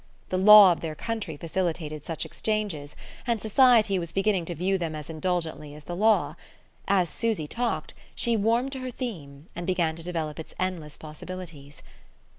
The law of their country facilitated such exchanges, and society was beginning to view them as indulgently as the law. As Susy talked, she warmed to her theme and began to develop its endless possibilities.